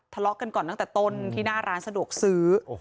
ทะเลาะกันก่อนตั้งแต่ต้นที่หน้าร้านสะดวกซื้อ